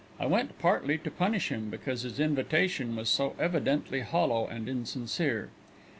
I went partly to punish him because his invitation was so evidently hollow and insincere.